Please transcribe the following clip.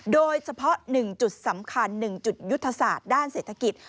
โดยเฉพาะ๑จุดสำคัญ๑จุดยุทธศาสตร์ด้านเศรษฐกิจ